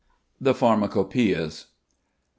THE PHARMACOPŒIAS. Dr.